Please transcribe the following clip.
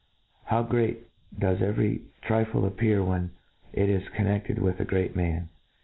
How great does every trifle appear when it is connec ted with a great man